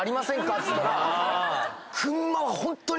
っつったら。